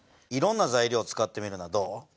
いろんな材料を使ってみるのはどう？